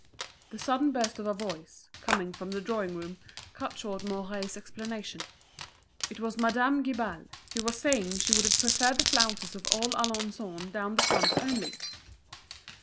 The sudden burst of a voice, coming from the drawing room, cut short Mouret's explanation. It was Madame Guibal, who was saying she would have preferred the flounces of old Alençon down the front only.